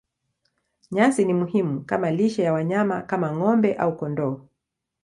Nyasi ni muhimu kama lishe ya wanyama kama ng'ombe au kondoo.